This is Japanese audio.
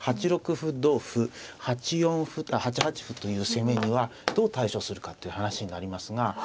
８六歩同歩８八歩という攻めにはどう対処するかって話になりますが。